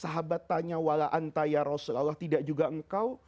sahabat tanya wala antaya rasul allah tidak juga engkau